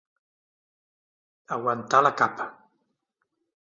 Aguantar la capa.